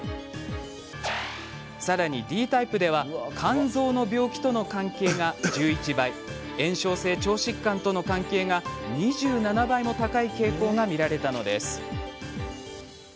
さらに、Ｄタイプでは肝臓の病気との関係が１１倍炎症性腸疾患との関係が２７倍も高い傾向が見られたのです。